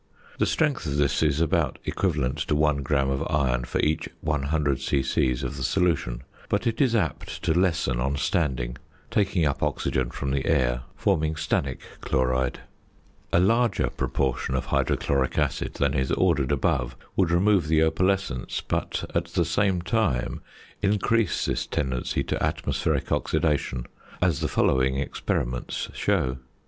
The strength of this is about equivalent to 1 gram of iron for each 100 c.c. of the solution, but it is apt to lessen on standing, taking up oxygen from the air, forming stannic chloride. A larger proportion of hydrochloric acid than is ordered above would remove the opalescence, but at the same time increase this tendency to atmospheric oxidation, as the following experiments show.